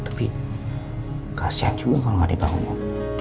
tapi kasihan juga kalau gak ada bangunan